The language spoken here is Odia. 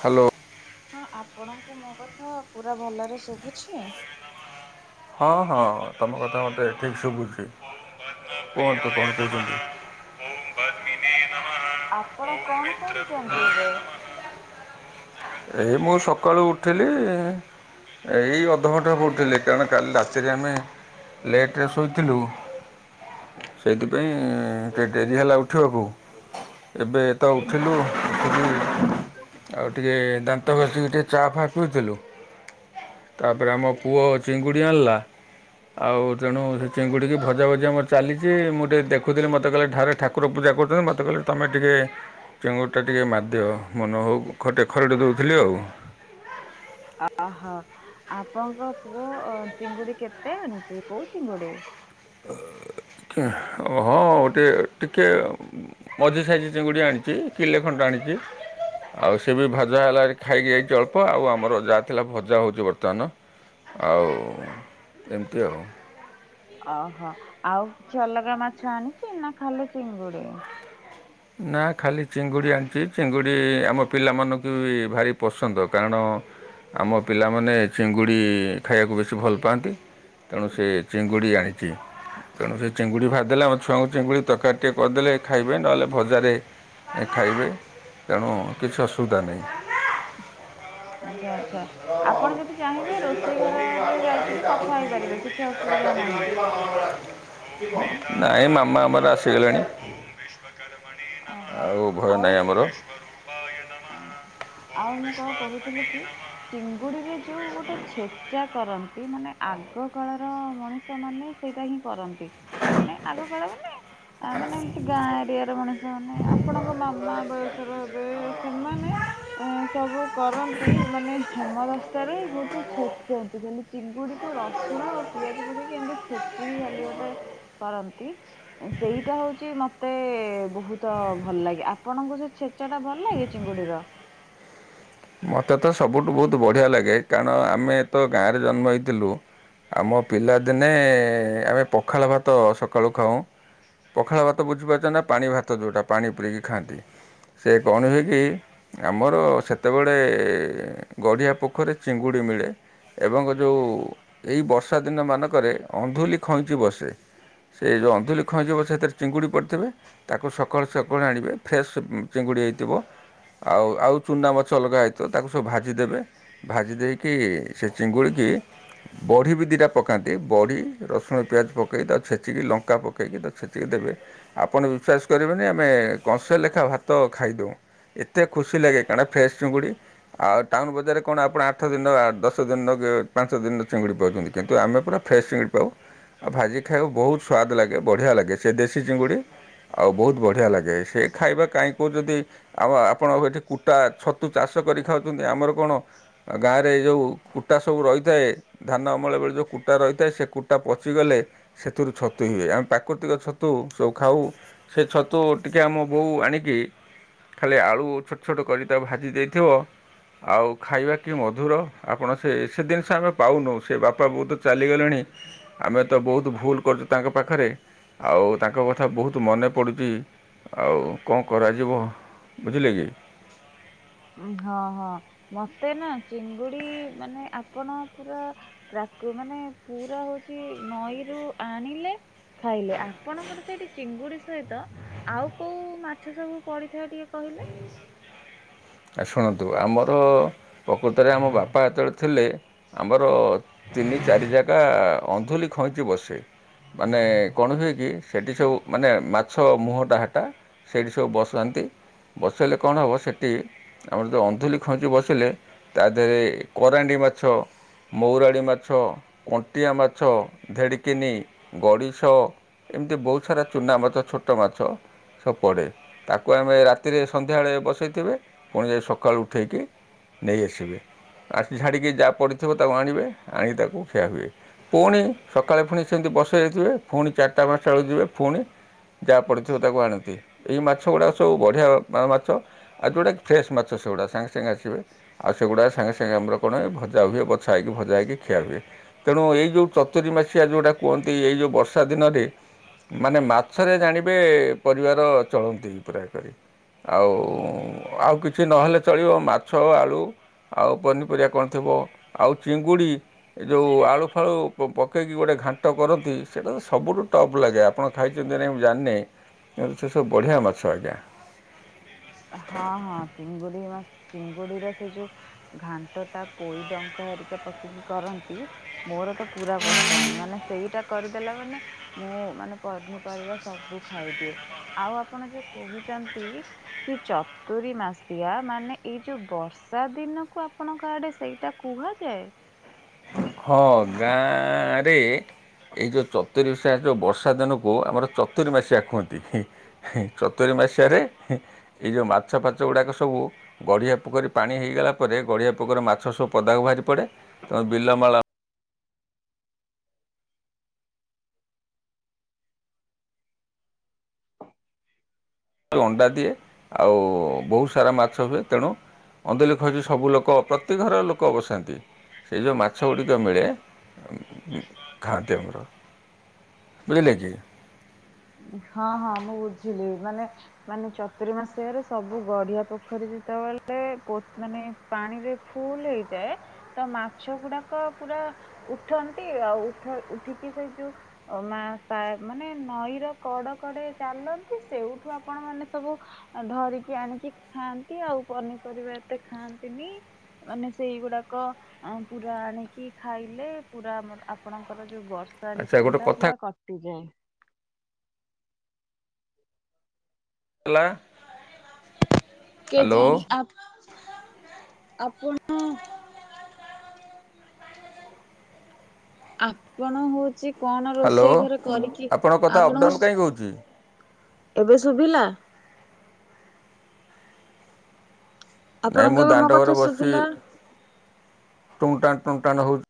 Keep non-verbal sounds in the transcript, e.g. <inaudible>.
ହାଲୋ। ହଁ ଆପଣଙ୍କୁ ମୋ କଥା ପୁରା ଭଲରେ ଶୁଭୁଛି? ହଁ ହଁ ତମ କଥା ମୋତେ ଠିକ୍ ସୁଭୁଚି। କୁହନ୍ତୁ କଣ କହୁଛନ୍ତି? <inaudible> ଆପଣ କଣ କରୁଛନ୍ତି ଏବେ? ଏଇ ମୁଁ ସକାଳୁ ଉଠିଲି ଏଇ ଅଧଘଣ୍ଟେ ହବ ଉଠିଲି କାରଣ କାଲି ରାତିରେ ଆମେ ଲେଟ୍ ରେ ଶୋ ଶୋଇଥିଲୁ ସେଇଥିପାଇଁ ଡେରି ହେଲା ଉଠିବାକୁ। ଏବେ ତ ଉଠିଲୁ ଉଠିକି ଆଉ ଟିକେ ଦାନ୍ତ ଘଷିକି ଟିକେ ଚା ଫା ପିଉଥିଲୁ ତାପରେ ଆମ ପୁଅ ଚିଙ୍ଗୁଡି ଆଣିଲା ଆଉ ତେଣୁ ସେ ଚିଙ୍ଗୁଡ଼ିକି ଭଜା ଭଜି ଆମର ଚାଲିଚି। ମୁଁ ଟିକେ ଦେଖୁଥିଲି ମୋତେ କହିଲେ ଧାରେ ଠାକୁ ଠାକୁର ପୂଜା କରୁଛନ୍ତି ମତେ କହିଲେ ତମେ ଟିକେ ଚେଙ୍ଗୁଡ଼ିଟା ଟିକେ ମାରିଦିଅ ମନ ହଉ ଖଡେ ଖରଡ଼ି ଦୋଉଥିଲି ଆଉ ଆ ଆହା ଆପଣଙ୍କ ପୁଅ ଅ ଚିଙ୍ଗୁଡି କେତେ ଆଣିଚି? କୋଉ ଚିଙ୍ଗୁଡି? କେ ହଁ ଗୋଟେ ଟି ଟିକେ ଆଉ ମଝି ସାଇଜ ଚିଙ୍ଗୁଡ଼ି ଆଣିଚି। କିଲେ ଖଣ୍ଡେ ଆଣିଚି। ଆଉ ସେ ବି ଭଜା ହେଲାଣି ଖାଇକି ଯାଇଚି ଅଳ୍ପ। ଆଉ ଆମର ଯାହା ଥିଲା ଭଜା ହଉଛି ବର୍ତ୍ତମାନ। ଆଉ ଏମିତି ଆଉ। ଓହୋ ଆଉ କିଛି ଅଲଗା ମାଛ ଆଣିଚି ନା ଖାଲି ଚିଙ୍ଗୁଡ଼ି? ନା ଖାଲି ଚିଙ୍ଗୁଡ଼ି ଆଣିଚି। ଚିଙ୍ଗୁଡ଼ି ଆମ ପିଲାମାନଙ୍କୁ ବି ଭାରି ପସନ୍ଦ। କାରଣ? ଆମ ପିଲାମାନେ ଚିଙ୍ଗୁଡ଼ି ଖାଇବାକୁ ବେଶୀ ଭଲ ପାଆନ୍ତି ତେଣୁ ସେ ଚିଙ୍ଗୁଡ଼ି ଆଣିଛି। ତେଣୁ ସେ ଚିଙ୍ଗୁଡ଼ି ଭାଜିଦେଲେ ଆମ ଛୁଆଙ୍କୁ ଚିଙ୍ଗୁଡ଼ି ତରକାରି ଟିକେ କରିଦେଲେ ଖାଇବେ ନହେଲେ ଭଜାରେ ଖାଇବେ ତେଣୁ କିଛି ଅସୁବିଧା ନାହିଁ। ଆଛା ଆଚ୍ଛା ଆପଣ ଯଦି ଚାହିଁବେ ରୋଷେଇ ସେଇ ଘରରେ ଯାଇକି ବି କଥା ହେଇପାରିବେ କିଛି ଅସୁବିଧା ନାହିଁ। ନାଇଁ ମାମା ଆମର ଆସିଗଲେଣି। ଓହୋ ଆଉ ଭୟ ନାହିଁ ଆମର ଆଜ୍ଞା ଆଉ ମୁଁ କଣ କହୁଥିଲି କି ଚିଙ୍ଗୁଡ଼ିରେ ଯୋଉ ଗୋଟେ ଛେଚା କରନ୍ତି ମାନେ ଆଗ କାଳର ମଣିଷ ମାନେ ସେଇଟା ହିଁ କରନ୍ତି। ମାନେ ଆଗକାଳ ମାନେ ଆ ମାନେ ଏମିତି ଗାଁ ଏରିଆର ମଣିଷ ମାନେ ଆପଣଙ୍କ ମାମା ବୟସର ହେବେ ସେମାନେ ଏ ସବୁ କରନ୍ତି ମାନେ ହେମଦସ୍ତାରେ ହୋଉଛି ଛେଚନ୍ତି ଖାଲି ଚିଙ୍ଗୁଡି କୁ ରସୁଣ ଆଉ ପିଆଜ ପକେଇକି ଏମିତି ଛେଚିକି ଖାଲି ଗୋଟେ କରନ୍ତି। ସେଇଟା ହୋଉଛି ମ ମତେ ବହୁତ ଭଲ ଲାଗେ। ଆପଣଙ୍କୁ ସେ ଛେଚାଟା ଭଲ ଲାଗେ ଚିଙ୍ଗୁଡିର? ମୋତେ ତ ସବୁଠୁ ବହୁତ ବଢ଼ିଆ ଲାଗେ କାରଣ ଆମେ ତ ଗାଁରେ ଜନ୍ମ ହେଇଥିଲୁ ଆମ ପିଲାଦିନେ ଆମେ ପଖାଳ ଭାତ ସକାଳୁ ଖାଉ। ପଖାଳ ଭାତ ବୁଝିପାରୁଛ ନା ପାଣି ଭାତ ଯେଉଁଟା ପାଣି ପୁରେଇକି ଖାଆନ୍ତି? ସେ କଣ ହୁଏ କି ଆମର ସେତେବେଳେ ଗଢ଼ିଆ ପୋଖରୀ ଚିଙ୍ଗୁଡ଼ି ମିଳେ ଏବଂ ଯେଉଁ ଏହି ବର୍ଷା ଦିନ ମାନଙ୍କରେ ଅନ୍ଧୁଲି ଖଇଁଚି ବସେ ସେ ଯୋଉଁ ଅନ୍ଧୁଲି ଖଇଁଚି ବସେ ହେତେରେ ଚିଙ୍ଗୁଡ଼ି ପଡ଼ିଥିବେ ତାକୁ ସକାଳୁ ସକାଳୁ ଆଣିବେ ଫ୍ରେଶ୍ ଚିଙ୍ଗୁଡ଼ି ହେଇଥିବ ଆଉ ଆଉ ଚୁନା ମା ଛ ଅଲଗା ହେଇଥିବ। ତାକୁ ସବୁ ଭାଜିଦେବେ ଭାଜି ଦେଇକି ସେ ଚିଙ୍ଗୁଡ଼ିକି ବଢ଼ି ବି ଦିଇଟା ପକାନ୍ତି ବଢ଼ି ରସୁଣ ପିଆଜ ପକାଇ ତାକୁ ଛେଚିକି ଲଙ୍କା ପକେଇକି ତାକୁ ଛେଚିକି ଦେବେ ଆପଣ ବିଶ୍ୱାସ କରିବେନି ଆମେ କଂସେ ଲେଖା ଭାତ ଖାଇଦେଉଁ। ଏତେ ଖୁସି ଲାଗେ କାରଣ ଫ୍ରେସ୍ ଚିଙ୍ଗୁଡ଼ି ଆଉ ଟାଉନ ବଜାରରେ କଣ ଆପଣ ଆଠ ଆଠ ଦିନ ଆ ଦଶ ଦିନକି ପାଞ୍ଚ ଦିନର ଚିଙ୍ଗୁଡ଼ି ପାଉଛନ୍ତି। କିନ୍ତୁ ଆମେ ପୁରା ଫ୍ରେଶ୍ ଚିଙ୍ଗୁଡ଼ି ପାଉ। ଆଉ ଭାଜିକି ଖାଇବାକୁ ବହୁତ ସ୍ବାଦ ଲାଗେ ବଢ଼ିଆ ଲାଗେ ସେ ଦେଶୀ ଚିଙ୍ଗୁଡ଼ି ଆଉ ବହୁତ ବଢ଼ିଆ ଲାଗେ। ସେ ଖାଇବା କାହିଁ କହୁଛନ୍ତି ଆଉ ଆପଣ ଏଠି କୁଟା ଛତୁ ଚାଷ କରି ଖାଉଛନ୍ତି ଆମର କଣ ଗାଁରେ ଯେଉଁ କୁଟା ସବୁ ରହିଥାଏ ଧାନ ଅମଳ ବେଳେ ଯେଉଁ କୁଟା ରହିଥାଏ ସେ କୁଟା ପଚିଗଲେ ସେଥିରୁ ଛତୁ ହୁଏ। ଆମେ ପ୍ରାକୃତିକ ଛତୁ ସବୁ ଖାଉ ସେ ଛତୁ ଟିକେ ଆମ ବୋଉ ଆଣିକି ଖାଲି ଆଳୁ ଛୋଟ ଛୋଟ କରି ତାକୁ ଭାଜି ଦେଇଥିବ ଆଉ ଖାଇବା କି ମଧୁର ଆପଣ ସେ ସେ ଦିନିଷ ଆମେ ପାଉନୁ ସେ ବାପା ବୋଉ ତ ଚାଲିଗଲେଣି। ଆମେ ତ ବହୁତ ଭୁଲ କରୁଛୁ ତାଙ୍କ ପାଖରେ ଆଉ ତାଙ୍କ କଥା ବହୁତ। ତୁ ମନେ ପଡ଼ୁଛି ଆଉ କଣ କରାଯିବ ବୁଝିଲେ କି। ହଁ ହଁ ମତେ ନା ଚିଙ୍ଗୁଡି ମାନେ ଆପଣ ପୁରା। ପ୍ରାକୃ ମାନେ ପୁରା ହଉଛି ନଈରୁ ଆଣିଲେ। ଖାଇଲେ ଆପଣଙ୍କର ସେଇଠି ଚିଙ୍ଗୁଡି ସହିତ। ଆଉ କୋଉ ମାଛ ସବୁ ପଡିଥାଏ ଟିକେ କହିଲେ। ଆ ଶୁଣନ୍ତୁ ଆମର ପ୍ରକୃତରେ ଆମ ବାପା ଯେତେବେଳେ ଥିଲେ। ଆମର ତିନି ଚାରି ଯାଗା ଅନ୍ଧୁଳି ଖଇଁତି ବସେ। ମାନେ କଣ ହୁଏ କି ସେଠି ସବୁ। ମାନେ ମାଛ ମୁହଁଟା ହାଟା ସେଇଠି ସବୁ ବସାନ୍ତି ବସେଇଲେ କଣ ହେବ ସେଟି। ଆମର ଯୋଉ ଅନ୍ଧୁଲି ଖଇଁତି ବସିଲେ ତା ଦେହରେ କରାଣ୍ଡି ମାଛ। ମଉରାଳି ମାଛ କଣ୍ଟିଆ ମାଛ ଧେଡ଼ିକିନି ଗଡ଼ିଶ। ଏମିତି ବହୁତ ସାରା ଚୁନା ମାଛ ଛୋଟ ମାଛ। ସବୁ ପଡ଼େ ତାକୁ ଆମେ ରାତିରେ ସନ୍ଧ୍ୟାବେଳେ ବସେଇଥିବେ। ପୁଣି ଯାଇ ସକାଳୁ ଉଠେଇକି ନେଇ ଆସିବେ। ଆଉ ସେ ଝିଡ଼ିକି ଯାହା ପଡ଼ିଥିବ ତାକୁ ଆଣିବେ ଆଣି ତାକୁ ଖିଆ ହୁଏ। ପୁଣି ସକାଳେ ଫୁଣି ସେମିତି ବସେଇ ଦେଇ ଥିବେ ଫୁଣି ଚାରିଟା ପାଞ୍ଚଟା ବେଳକୁ ଯିବେ ଫୁଣି। ଯାହା ପଡ଼ିଥିବ ତାକୁ ଆଣନ୍ତି ଏଇ ମାଛ ଗୁଡ଼ାକ ସବୁ ବଢ଼ିଆ ଆ ମାଛ ଆଉ ଯୋଉଗୁଡା କି। ଫ୍ରେସ୍ ମାଛ ସେଗୁଡ଼ା ସାଙ୍ଗେ ସାଙ୍ଗେ ଆସିବେ। ଆଉ ସେଗୁଡ଼ା ସାଙ୍ଗେ ସାଙ୍ଗେ ଆମର କଣ ଭଜା ହୁଏ ବଛା ହେଇକି ଭଜା ହେଇକି ଖିଆ ହୁଏ। ତେଣୁ ଏଇ ଯୋଉ ଚତୁୁରୀ ମାସିଆ ଯୋଉଟା କୁହନ୍ତି ଏଇ ଯେଉଁ ବର୍ଷା ଦିନରେ। ମାନେ ମାଛରେ ଜାଣିବେ ପରିବାର ଚଳନ୍ତି ପୁରା ଏ କରି। ଆଉ ଆଉ କିଛି ନହେଲେ ଚଳିବ ମାଛ ଆଳୁ। ଆଉ ପନିପରିବା କଣ ଥିବ ଆଉ ଚିଙ୍ଗୁଡ଼ି। ଏ ଯୋଉ ଆଳୁ ଫାଳୁ ପକେଇକି ଗୋଟଏ ଘାଣ୍ଟ କରନ୍ତି। ସେଇଟା ତ ସବୁଠୁ ଟପ୍ ଲାଗେ ଆପଣ ଖାଇଛନ୍ତି ନା ନାହିଁ ମୁଁ ଜାଣିନି କିନ୍ତୁ ସେ ସବୁ ବଢ଼ିଆ ମାଛ ଆଜ୍ଞା। ହଁ ହଁ ଚିଙ୍ଗୁଡି ମା ଚିଙ୍ଗୁଡିର ସେ ଯୋଉ। ଘାଣ୍ଟ ଟା ପୋଇ ଡଙ୍କ ଘରିକା ପକେଇକି କରନ୍ତି। ମୋର ତ ପୁରା ପସନ୍ଦ ମାନେ ସେଇଟା କରିଦେଲା ମାନେ। ମୁଁ ମାନେ ପନିପରିବା ସବୁ ଖାଇଦିଏ ଆଉ ଆପଣ ଯୋଉ କହୁଛନ୍ତି। କି ଚତୁୁରୀ ମାସିଆ ମାନେ ଏଇ ଯୋଉ ବର୍ଷା ଦିନକୁ ଆପଣଙ୍କ ଆଡେ ସେଇଟା। କୁହାଯାଏ। ହଁ ଗାଁରେ ଏ ଯୋଉ ଚ ଚତୁରି ସା ଯୋଉ ବର୍ଷା ଦିନକୁ ଆମର ଚତୁରି ମାସିଆ କୁହନ୍ତି ହିଁ। ହିଁ ଚତୁୁରୀ ମାସିଆ ରେ ହିଁ ଏଇ ଯୋଉ ମାଛ ଫାଛ ଗୁଡ଼ାକ ସବୁ। ଗଢ଼ିଆ ପୋଖରୀ ପାଣି ହେଇଗଲା ପରେ ଗଢ଼ିଆ ପୋଖରୀ ମାଛ ସବୁ ପଦାକୁ ବାହାରି ପଡ଼େ ତ ବିଲ ମାଳ। ଅଣ୍ଡା ଦିଏ ଆଉ ବହୁତ ସାରା ମାଛ ହୁଏ ତେଣୁ। ଅନ୍ଧଲି ଖଇଁଜି ସବୁ ଲୋକ ପ୍ରତି ଘର ଲୋକ ବସାନ୍ତି। ସେଇ ଯୋଉ ମାଛ ଗୁଡ଼ିକ ମିଳେ। ବା ଖାଆନ୍ତି ମାନେ ଆମର <inaudible> ବୁଝିଲେ କି। ହଁ ହଁ ମୁଁ ବୁଝିଲି ମାନେ। ମାନେ ଚତୁୁରୀ ମାସିଆ ରେ ସବୁ ଗଡିଆ ପୋଖରୀ ଯେତେ ବେଳେ ପୋ ମାନେ। ପାଣି ରେ ଫୁଲ ହେଇଯାଏ। ତ ମାଛ ଗୁଡାକ ପୁରା ଉଠନ୍ତି ଆଉ ଉଠ ଉଠିକି ସେଇ ଯୋଉ। ଓ ମା ପା ମାନେ ନଈର। କଡ କଡେ ଚାଲନ୍ତି ସେଇଠୁ ଆପଣ ମାନେ ସବୁ। ଅଁ ଧରିକି ଆଣିକି ଖାଆନ୍ତି ଆଉ ପନିପରିବା ଏତେ ଖାଆନ୍ତିନି। ମାନେ ସେଇ ଗୁଡାକ। ଅ ପୁରା ଆଣିକି ଖାଇଲେ ପୁରା ଆମର ଆପଣଙ୍କର ଯୋଉ ବ ତ ଆଚ୍ଛା ଋତୁ ଗୋଟେ ଟା କଥା ପୁରା କଟିଯାଏ। ହେଲା। କେଜାଣି ହ୍ୟାଲୋ ଆପଣ ଆପଣ ହ ଛି କଣ ହ୍ୟାଲୋ ରୋଷେଇ ଘରେ କରିକି ଆପଣଙ୍କ କଥା ଅପ୍ ଡାଉନ୍ କାହିଁକି ଆପଣଙ୍କ ହେଉଛି ଏବେ ଶୁଭିଲା। ନାଇଁ ମୁଁ ଆପଣଙ୍କୁ ଏବେ ମୋ ଦାଣ୍ଡ ଘରେ କଥା ବସି ଶୁଭିଲା? ଟୁଙ୍ଗ ଟାଣ ଟୁଙ୍ଗ ଟାଣ ହଉଛି।